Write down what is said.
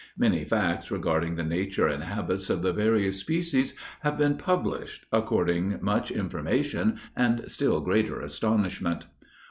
Many facts regarding the nature and habits of the various species have been published, affording much information and still greater astonishment.